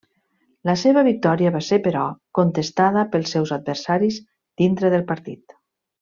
La seva victòria va ser, però, contestada pels seus adversaris dintre del partit.